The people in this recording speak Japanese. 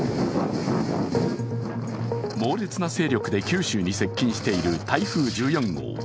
猛烈な勢力で九州に接近している台風１４号。